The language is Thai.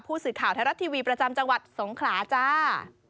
ผู้สื่อข่าวไทยรัฐทีวีประจำจังหวัดสงขลาจ้า